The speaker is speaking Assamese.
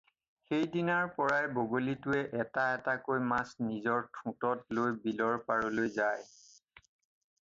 সেইদিনাৰ পৰাই বগলীটোৱে এটা এটাকৈ মাছ নিজৰ ঠোঁটত লৈ বিলৰ পাৰলৈ যায়।